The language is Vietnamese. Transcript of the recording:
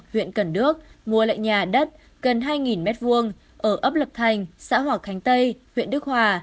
huyện cần đước mua lại nhà đất gần hai m hai ở ấp lực thành xã hòa khánh tây huyện đức hòa